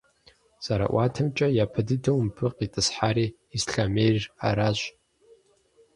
ЗэраӀуатэмкӀэ, япэ дыдэу мыбы къитӀысхьари Ислъэмейр аращ.